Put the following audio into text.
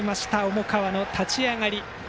重川の立ち上がり。